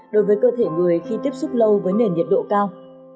đối với cơ thể người khi tiếp xúc lâu với nền nhiệt độ cao